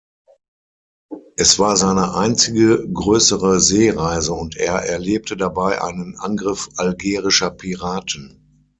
Es war seine einzige größere Seereise, und er erlebte dabei einen Angriff algerischer Piraten.